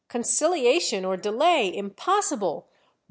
Conciliation or delay impos sible